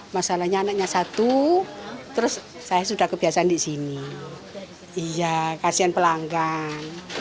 masalahnya anaknya satu terus saya sudah kebiasaan di sini iya kasihan pelanggan